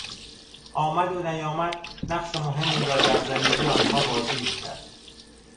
آمد و نیامد نقش مهمی را در زندگی آنها بازی میکرد.